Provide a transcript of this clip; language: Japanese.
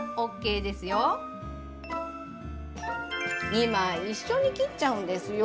２枚一緒に切っちゃうんですよ。